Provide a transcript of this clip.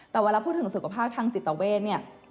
แต่เวลาพูดถึงสุขภาพทางจิตเวทเนี่ย